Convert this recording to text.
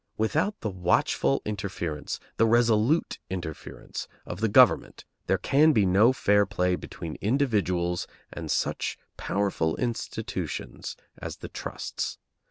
Without the watchful interference, the resolute interference, of the government, there can be no fair play between individuals and such powerful institutions as the trusts.